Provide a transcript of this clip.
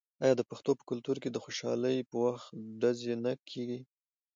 آیا د پښتنو په کلتور کې د خوشحالۍ په وخت ډزې نه کیږي؟